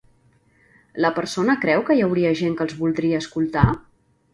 La persona creu que hi hauria gent que els voldria escoltar?